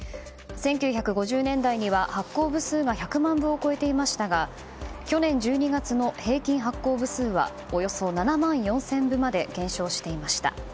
１９５０年代には発行部数が１００万部を超えていましたが去年１２月の平均発行部数はおよそ７万４０００部まで減少していました。